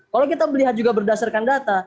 kalau kita melihat juga berdasarkan data